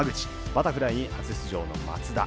バタフライに初出場の松田。